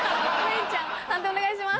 判定お願いします。